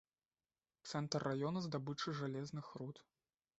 Цэнтр раёна здабычы жалезных руд.